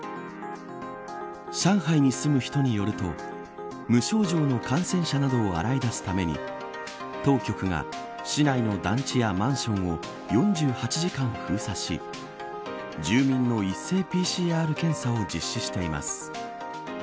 上海に住む人によると無症状の感染者などを洗い出すために当局が市内の団地やマンションを４８時間封鎖し住民の一斉ＰＣＲ検査を実施しています。